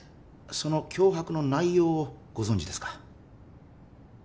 その脅迫の内容をご存じですか？